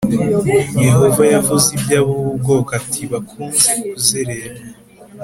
Yehova yavuze iby ab ubu bwoko ati bakunze kuzerera